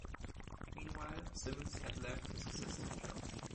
Meanwhile, Simmonds had left his assistant job.